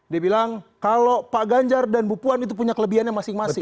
dia bilang kalau pak ganjar dan bu puan itu punya kelebihannya masing masing